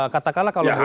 katakanlah kalau ke depan